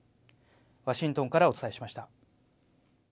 ワシントンからお伝えしました。